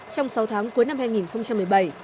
trong sáu tháng cuối năm hai nghìn một mươi bảy